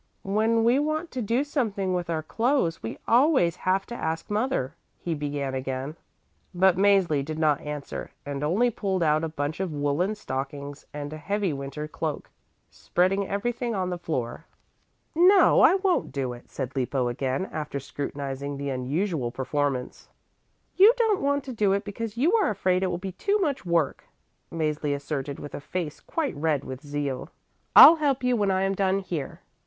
"When we want to do something with our clothes, we always have to ask mother," he began again. But Mäzli did not answer and only pulled out a bunch of woolen stockings and a heavy winter cloak, spreading everything on the floor. "No, I won't do it," said Lippo again, after scrutinizing the unusual performance. "You don't want to do it because you are afraid it will be too much work," Mäzli asserted with a face quite red with zeal. "I'll help you when I am done here."